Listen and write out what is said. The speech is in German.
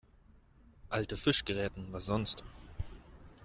Alte Fischgräten, was sonst?